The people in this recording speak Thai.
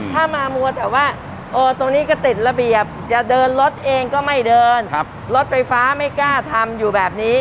ถ้ามามัวแต่ว่าตรงนี้ก็ติดระเบียบจะเดินรถเองก็ไม่เดินรถไฟฟ้าไม่กล้าทำอยู่แบบนี้